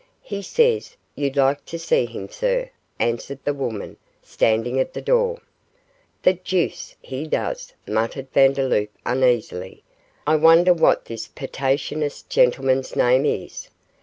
'He says you'd like to see him, sir,' answered the woman, standing at the door. 'The deuce he does,' muttered Vandeloup, uneasily; 'I wonder what this pertinacious gentleman's name is?